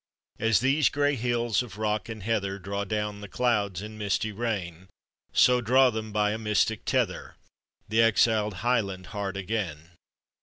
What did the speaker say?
As these gray hill* of r«« k and heather Draw down the clou is in misty rain, So draw them by a mystic tether, The exiled Highland heart again.